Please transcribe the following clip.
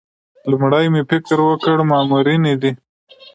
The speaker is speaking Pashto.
لومړی مې فکر وکړ مامورینې دي.